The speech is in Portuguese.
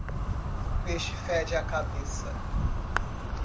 O peixe fede a cabeça.